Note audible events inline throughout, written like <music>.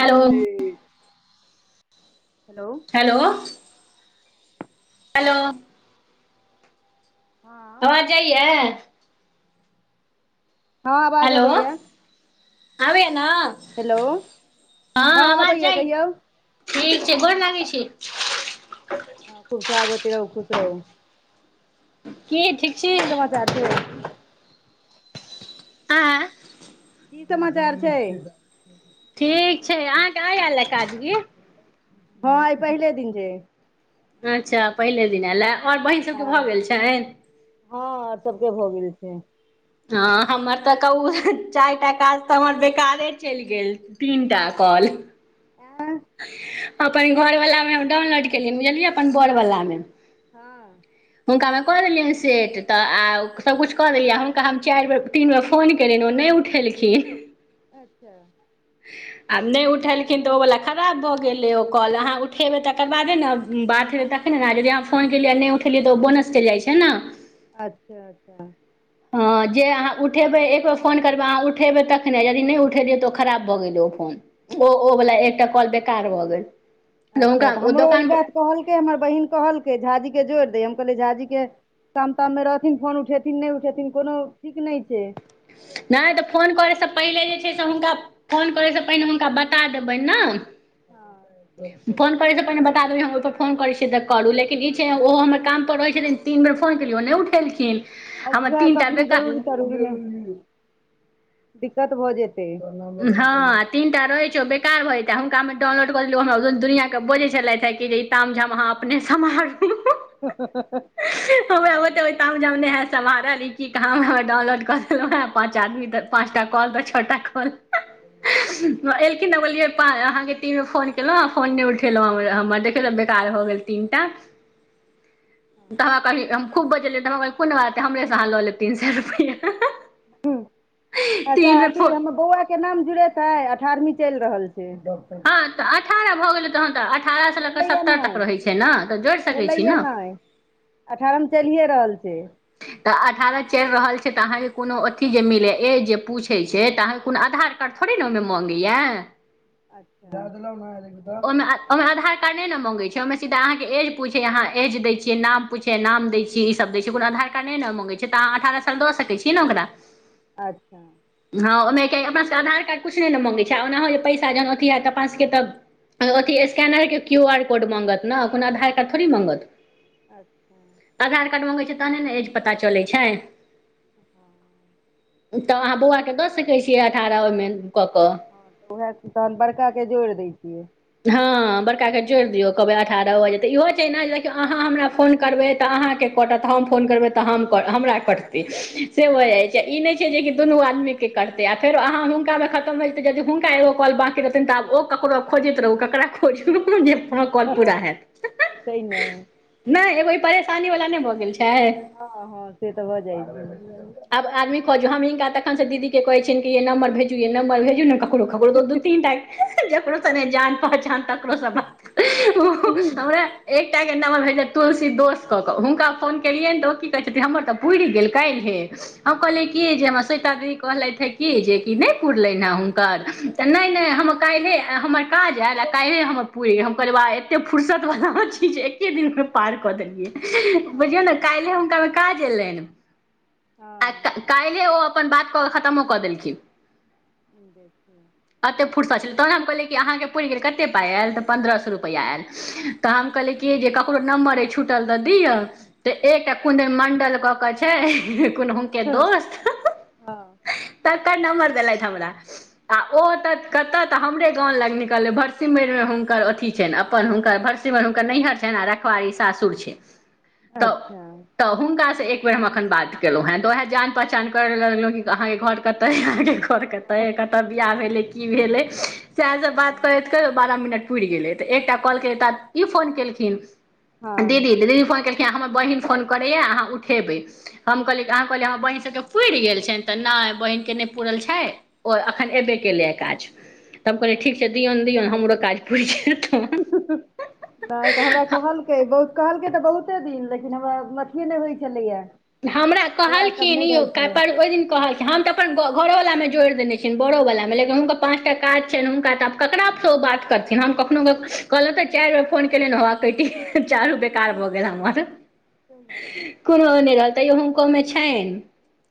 Hello hello hello hello हँ आवाज जा य हँ आवाज अबैया आबै या न हेलो हँ आवाज अबैया जाय कहियौ ठीक छै गोर लागै छी ह खुश सोहागबति रहु खुश रहू की ठिक की समाचार छै <unintelligible> की समाचार छै ठीक छै अहाँकेँ आए आयल ह काजकी हँ आइ पहिल दिन जेे अच्छ पहिले दिनयलए और बहीन सभके हँ भऽ गेल छैन हँ सबकेँ भऽ गेल छै हँ हमर तऽ कौउ चार टा काज तऽ हमर बेकारे चल गेल तीन टा कॉल <unintelligible> अपन घरवला म हम डाउनलोड केलियै बुझलियै अपन बोड़वला मे हँ हुनकामे कऽ देलियनि सेट तऽ आ सभकिछु कऽ देलियनि आ हुनका हम चारि बेर तीन बेर फोन कयलनि ओ नहि उठेलखिन अच्छा <unintelligible> <unintelligible> आब नहि उठेलखिन तऽ ओवला खराब भऽ गेलै ओ कांल अहाँ उठेबै तकर बादे नऽ बात हेतय कख ने यदि अहाँ फोन केलियै नहि उठेलियै तऽ ओ बोनस चलि जाइ छै नऽ अच्छा अच्छा ह जे अहाँ उठेबै एक बेेर फोन करबै अहाँ उठेबै तखने यदि नहि उठेलियै तऽ खराब भऽ गेल ओ फोन ओ ओ वाला एकटा कॉल बेकार भऽ गेल अच्छा हुनका तऽ हमरो ई दोकान बात कहलकै हमर बहिन कहलकै झाजी के जोड़ दे हम कहलियै झाजी के काम ताम मे रहथिन फोन उठेथिन नहि उठेथिन कोनो ठीक नहि छै नहि तऽ फोन करयसँ पहिले जे छै से हुनका फोन करैसँ पहिने हुनका बता देबनि नऽ हँ फोन करे स पहिने बता देबै ओहिपर फोन करै छिय त करू लेकिन ई छै ओहो हमर काम पर रहैत छथिन तीन बेर फोन केलियै ओ नहि उठेलखिन हँ हमर उएह तीनटा बे कखनो <unintelligible> दिक्कत भो जेतै हँं तिनटा रहै छै ओ बेकार भैजेता आ हुनका डाउनलोडऽ कऽ देलियं <unintelligible> दुनिया के बजे छलथि है कि ई ताम झाम अहाँ अपने समारूह <unintelligible> हब सम्हा <unintelligible> रल क कह डाउनलोड कर पच आदमी पाँचटा कॉल तऽ छओटा कॉल एलखिन अहाँके तीन बे फोन केलहुँ आ फो नहि उठेलहुँ हमर देखिय बेकार भऽ गेल तीन टा तऽ हमरा कहली हम खूब बजलियै तऽ हमरा कह कोन बातै हमरे से अहाँ लऽ लेब तीन सए रुपैआ हुं अच्छा तीन फो अथी हमम हँ बौआ के नाम जुड़ेतै अठारवीं चलि रहल छै तऽ अठारह भऽ गेलै तहन तऽ अठारहसँ लऽ कऽ भेलैया सत्तर नहि तक रहैत छै ने तऽ जोड़ि सकै छी भेलैया ने नहि अठारहम चलिए रहल छै तऽ अठारह चलि रहल छै तऽ अहाँके कोनो अथी जे मिले ए जे पूछे छै तऽ अहाँके कोनो आधार कार्ड थोड़ी ने ओहिमे मंगैया अच्छा ओना ओहिमे आधार कार्ड न ने मांगे छै ओहिमे सीधा अहाँ के एज पूछे अहाँ एज दैय छियै नाम पूछे नाम दै छियै ई सब द छै कोनो आधार कार्ड नहि ने मंगे छै त अहां अठारह साल दऽ सकै छ छीय नऽ ओकरा अच्छा हँ ओहिमे अपनाके आधार कार्ड किछु नहि ने मगै छै आ ओना हो जे पैसा जखन अथि हयत अपनास सबके तऽ अथि स्कैनर के क्यू आर कोड मङ्गत न कोनो आधार कार्ड थोड़े मङ्गत अच्छा छै तहने ने हँ एज पता चलै छै <unintelligible> तऽ आ बौआके दऽ सकैत छियै अठारह ओहिमे कऽ कऽ हँ तऽ उएह तहन बड़का के जोड़ि दै छियै हँ बड़का के जोड़ि दियौ कहबै अठारह भऽ रहल ये तो ईहो छै ने देखियौ अहाँ हमरा फोन करबै तऽ अहाँके कोटत हम फोन करबै त हमरा कटतै से भऽ जाय हँ छै आ इ नै छै जे दुनू आदमीके कटतै आ फेरो आहाँ हुनका में खतम भय जेतै त हुनक एगो कॉल बाँकि रहत त आब ओ ककरो खोजैत रहू ककरा खोजू जे फोन काॅल पूरा सही हेत ने नहि एगो ई परेशानी वालला ने भऽ गेल छै हँ हँ से तऽ भऽ जाइ छै आब आदमी खोजु हम हिनका तखन स दीदी के कहै छिय नंबर भेजू य नम्बर भेजू ने ककरो तकरो त दू तीन टा जकरो से नै जान पहचान त तकरो स बात ओ हमरा एकटा के नम्बर भेजलैथ छैे तुलसी दोस क के हुनका फोन केलियनि त कहै छथीन हमर तऽ पुइर गेल काल्हि हे हम कहलियै कि हम श्वेता दी कहलथि हँ कि जेकि नहि पुरलनि हें हुनकर तऽ नहि नहि हँ हम काल्हि हमर काज आयल आ काल्हि हमर पूइरी गेल हम कहलियै बाह अते फुर्सत वाला छी जे एके दिन मे पार क देलियै बुझियौ हँ ने काल्हि हुनका मे काज एलनि हँ अपन बात कऽ क खतमो कऽ देलखिन ह देख अते फुरसत छलै तहन ने हम कहलियै कि अहाँके पुरि गेल कतेक पाइ आयल तऽ पन्द्रह सए रुपआयल तऽ हम कहलियै की जे ककरो नम्बर अइ छुटल तऽ दियअ त एक कियौ मंडल क के छैन हुनके दोस्त हँ तकर नम्बर देलथि हमरा आ ओ तऽ कत तऽ हमरे गाँव लग न भरसिमैर मे हुनकर अथी अपन हुनकर भरसिमर हुनकर नैहर छै आ रखवारी सासुर छै अच्छा त हुनकासँ एक बेेर हम एखन बात कर केलहुँ हेँ तऽ उएह जान पहचान करे लगलहुँ कि अहाँके घर कतेै अहके घर कतै बियाह भेल अन्य की भेले सएह सब बात हँ करैत कर बारह मिनट पुरि गेलै त एकटा कॉल केलै त ई फोन केलखिन हँ दीदी दीदी फोन केलखिन हमर बहिन फोन करैया अहाँ उठेबै हम कहलियी अहाँ कहलियै हमर बहिन सभके पुरि गेल छनि त नहि बहिनके नहि पूुरल छै ओ एखन एबे केलै काज तब कहलियनि ठीक छै हँ दियौन दियौन हमरो काज पुरि जेतन ह नहि त हमरा कहलकै बहु कहलकै तऽ बहुते दिन लेकिन हमरा मछए नहि होइत छलैएा हमरा कहलखिन इहो ओहि दिन कहलखिन हम त अपन घरो वलामे जोड़ देने छियनि बरो वला मे लेकिन हुनका पाँचटा काज छनि हुनका त ककरा सो ओ बात करथिन हम कखनो क कहलिअनि त चारि बेर फोन केलियनि होउवे कटि गेलै चारू बेर कार ब गेल हमर कोनो तैयो हुनकोमे छनि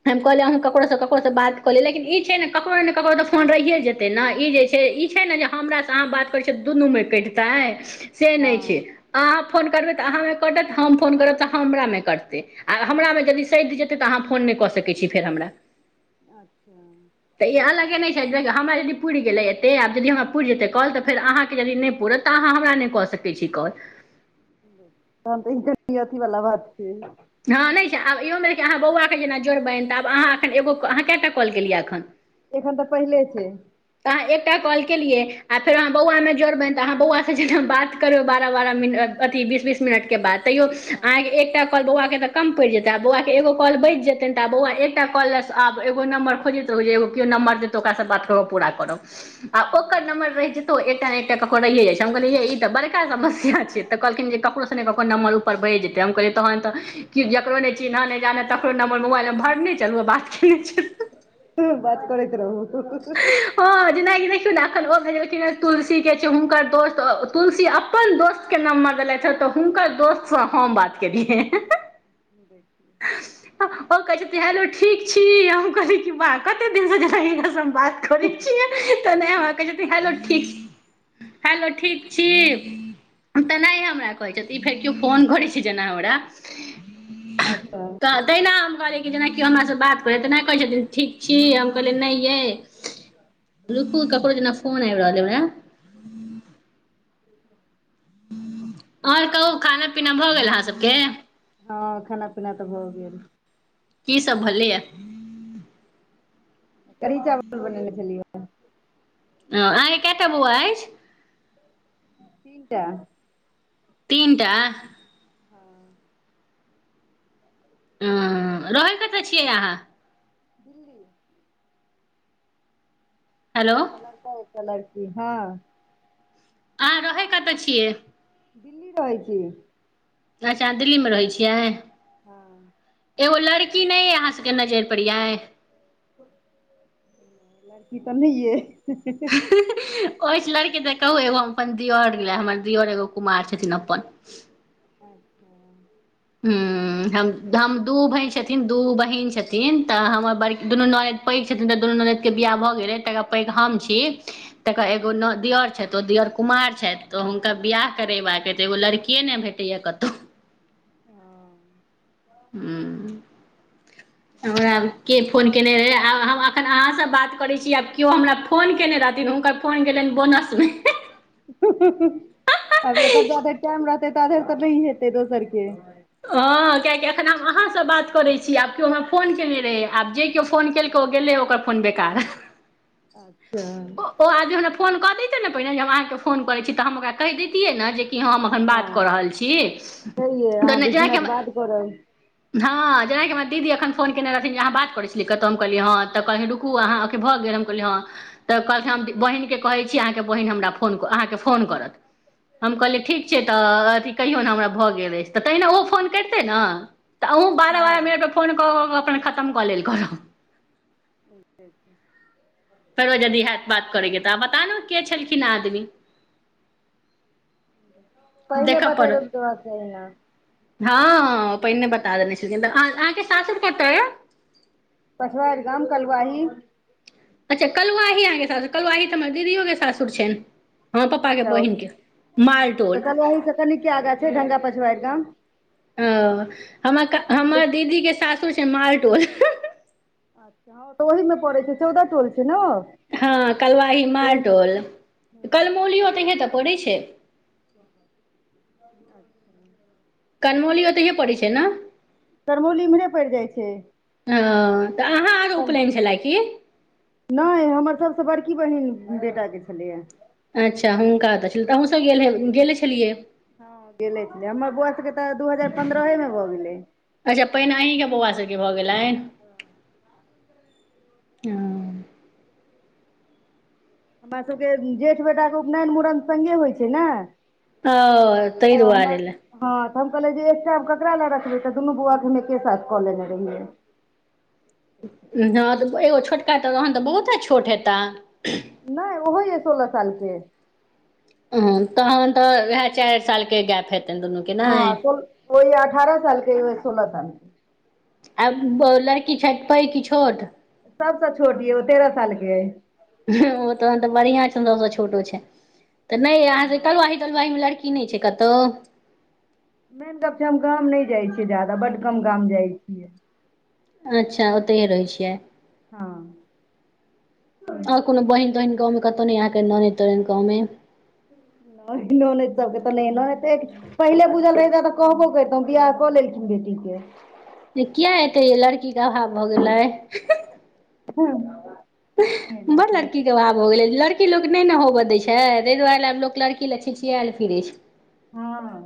हम कहलिय ककरो ककरोसँ बात क लिय लेकिन ई छै ने ककरो ने ककरो त फोन रहिए जेतै ने ई जे छै ई छै ने जे हमरासँ अहाँ बात करै छिय दुनूमे कहिट देै त से नहि छै हँ अहाँ फोन करबै तऽ अहाँ मे कटत हम फोन करबै तऽ् हमरा मे कटटै हमरामे यदि सधि जेतै त अहाँ फोन नहि क सकैत छी फेर हमरा अच्छा त ई अलगे नहि छै हमरा यदि पुरि गेलै एतै आबदि हमरा पुरि जेतै कल त फेर अहाँके यदि नहि पुरत त अहाँ हमरा नहि क सकै छी कॉल त त ई की अथी वाला बात छै हँ नहि छै आब इहोमे देखिय कि अहाँ बौआके जेना जोड़ बैन तऽ आब अहा एन एो अहाँ कएटा कॉल केलियै एखन एखन त पहिले छै त अहाँ एकटा कॉल केलियै आ फेर अहाँ बौआ मेजोर बैन तऽ अहाँ बौआसँ जेना बात करबै बारह बारह मिनट अथी बीस बीस मिनटके बाद तैयो हँ अहाँके एकटा क बौआ तऽ कम पड़ि जेतै बौआ के एगो कॉल बचि जेतनि त आ बौआ एकटा कौल आब एगो नम्र खोजेतै एगो केओ नंबर दे त ओकरा सँ बात कर पूरा करब आ ओकर नंबर रहै छै एकटा न एकटा ककरो रहिए जाइ छै हम कहल ई त‌बड़का समस्या छै तऽ कहलखिन ककरोसँ ने ककर नमबर ऊपर है जेतै हम कहलियै तहन तऽ कि जकरो नहि चिन्हय नहि जानह तकरो नंबर मोबाइलमे भरने चलू बात केने बात करैत रहु ह जेनाकि देखियौ ने एखन ओठ तुलसी के छै हुनकर दोस्त तुलसी अपन दोस्त नम्बर देले ह त हुनकर दोस्त से हम बात केलियै <inaudible> ओ कहै छेथिन हलो ठीक छी हम कहली क बा कते दिन से जा हम बात करै छियै त नहि हमरा कहै छथि हेलो ठीक हेलो ठीक छी तेना हमरा कहै केओ फोन करै छै जेना हमरा अच्छा तेहिना हम कहलियै कि जेनाकि हमरासँ बात करै तेना कहै छथिन ठीक छी हम कहलियै नहि अइ रुकू ककरो जेना फोन आबि रहल य हमरा <inaudible> आओर कहू खाना पीना भ गेल अहाँ सबके हँ खाना पीना त भ गेल ने की सब भेलैए कढ़ी चावल बनेने छलिय ह अहाँके केटा बौआ अछि तीनटा तीन टा हँ ह रहै कतऽ छियै अहाँ दिल्ली हेलो एक लड़का एक लड़की हँ अहाँ रहै कतऽ छियै दिल्ली रहइ छी अच्छा अहाँ दिल्लीमे रहैत छियै हँ एगो लड़की नहि य अहाँ सबके नजरि पर यऽ लड़की तऽ नहि अए ही ही ओछि लड़की त कहू एगो हम अपन दियर लय हमर दियोर एगो कुमार छथिन अपन ह्म हम हम दू भाय छथिन दू बहीन छथिन तऽ हमर बड़ दुनू ननैद पैघ छथिन तऽ दुनू ननदि के बियाह भऽ गेलै त पैघ हम छी तकर एगो न अच्छा दियर छै तो दियर कुमार छथि तऽ हुनका बिआाह करेबाक अछि तऽ एगो लड़किये नहि भेटैय कतौ हँ। ह हमरा के फोन केने रहे आ हम एखन अहाँ बात करै छी आब केओ हमरा फोन केने रहथिन हुनकर फोन गेलनि बोनस मे अब एकर जार टाइम रहते तधर तऽ नहिह हेतै दोसर के हँ कियकि एखन हम अहाँसँ बात करैत छी आब केओ हमरा फोन केने रहै आब जे केओ फोन केलकौ गेलै ओकर फोन बेकार अच्छा ओ आदमी हमरा फोन कऽ दैतियै ने पहिने जे हम अहाँके फोन करैत छी तऽ हम ओकरा कहि दैतियै ने जे की हम अखन बात कऽ हँ रहल छी छैहे तऽ अहाँ नहि बीस जेनाकि हम <inaudible> हँ जेनाकि हमर दीदी एखन फोन केने रहथिन जे अहां बात करै छलियै कतहु हम कहलियै हँ तऽ कहली रुकू अहाँ अख भऽ गेल हम हँ तऽ कहलखिन हम बहिनके कहै छी अहाँके बहिन हमरा फोन अहाँके फोन करत हम कहलियै ठीक छै तऽ अथी कहियौ ने हमरा भऽ गेल अछि तऽ तहिना ओहो फोन करितै नऽ तऽ अहूँ बारह बारह हँ मिनटमे फोन कऽ कऽ अपन खतम कऽ लेल करब <inaudible> फेरो यदि होयैत बात करेके तऽ आब बता ने के छलखिन ह आदमी पहिले <inaudible> देखऽ पड़त हँ पहिने बता देने छलखिन त अहाँके सासुर कतऽ यऽ पछवारि गाम कलुवाही अच्छा कलुवाही आहांके सासुर कलवाही तऽ हमर दीदीयो के सासुर सुर छेन हमर पप्पा के अच्छा बहिन के हँ तऽ मालटोल कलुवाही से कनिके आगाँ छै ढंगा पछुवारि गाम ओ हमर क हमर अच्छा दीदी के सासुर छै मालटोल हँ तऽ ओहिमे पड़ै छै चौदह टोल छै नऽ हँ कलवाही मालटोल कलमौलियो तऽ इहे तऽ पड़ैत छै <inaudible> कनमौली ओतहिये पड़ै छै ने तरमौली इम्हरे पड़ि जाइ छै ह तऽ अहाँ आरो उपनयन छलए की नहि हमर सभसँ बड़की बहिन बेटाके छलैया अच्छा हुनका तऽ छलै तऽ अहूँसभ गेले हेब गेले छलियै हँ गेले छलै हमर बौआ सबके तऽ दू हजार पन्द्रहे मे भऽ गेलै अच्छा पहिने अहीं के बौआ सबके भऽ गेलनि हँ हमरा सभके जेठ बेटाके उपनयन मूड़न सङ्गे होइ छै ने ओ तै तऽ हमर दुआरे लय हँ तऽ हम कहले जे एकटा ककरा लए रखबै तऽ दुनू बौआ के हम एके साथ कऽ लेने रहियै हँ तऽ एगो छोटका तहन तऽ बहुते छोट हेताह नहि ओहो यए सोलह साल के ह तहन तऽ उएह चायर साल के गैप हेते हँ सोहि अठारह सालके सोलह सालके आ लड़की छ पइ की छोट सबसेछोटी ह ओ तेरह साल के है ओ तहन तऽ बढ़ियां छै सब छोटो छै त नहि अहाँ हँ तयौ अहके अहा केलड़की की नहि छै क तऽ मेन त छै हम गाम नहि जाइ छियै जाादा बड कम गाम जाइ छियै अच्छा ओतहिहे रहैत छियै हँ आर कोनो बहिन तहिन गाँवं कतहु न आ ननतो गाँवं न नज सबके तऽ नहि न त पहिले बुझल रहितय तऽ कहबो करतहुँ बियह कऽ लेलखिन बेटीके त किया एते य लड़की के अभाव भऽ गेलै हँ एहि लऽ बड़ कऽ लड़की भाव हो गेलै लड़की लोक नहि ने होबय दै छै ताहि दुआरे आब लोक लड़की लए छिछियाल फिरे छै हँ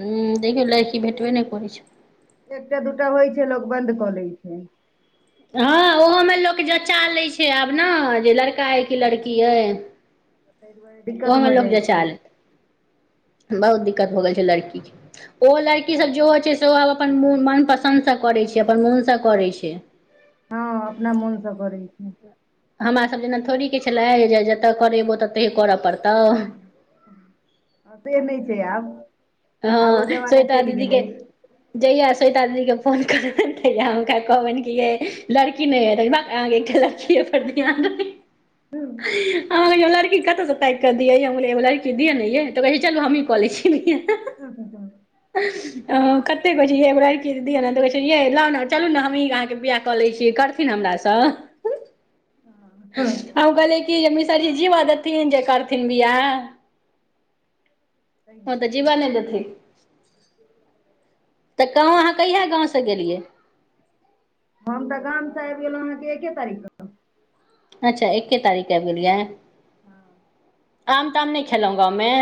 ह आब देखियौ तऽ देखै लड़की भेटबे छियै नहि करै छै एकटा दूटा होइ छै लोक बन्द कऽ लै छै हँ ओहोमे लोक जचा लै छै आब ने जे लड़का अइछ कि लड़की अइछ ताहि दुआरे दिक्कत भऽ जाइत छै लेत बहुत दिक्कत हो गेल छै लड़की के ओ लड़की सब जेो हो छै सेहो अपनन मनपसन्दसँ करै छै अपन मोनसँ करै छै हँ अपना मोनसँ करैत छै हमरा सब जेना थोड़े के छलै जे जतऽ करेबौ तत करऽ पड़तौ तऽ नहि छै आब आब ओ हँ जमाना चलि शवेतादीदी के गेलै जहिया शवेता ददी के फोन कर तैया हुनका कहबैकनलड़की कि नहि त लखीए फरद हमरागो लड़की कतऽसँ तैक कऽ दियै हमलो एगो लड़की दअऽ ने य तऽै चलु हमहीकऽ लै छीयै ह ह ह कते बजेय है दीदी तऽ कहै छै ये ल चलु ने हमही अहाँके बियाह कऽ ले छियै करथिन हमरास हँ कहलिखीनकि मिसरजी जीवा देथिन जे करथिन बिआह हँ तऽ जिव नै दथिन तऽ कहँ अहाँ कहिया गाँव से गेलियै हम तऽ गामसँ आबि गेलहुँ अहाँके एक्े तारीखके अच्छा एके तारीखकेबलिया हँ आम ताम नहि खेलहुँ गामवमे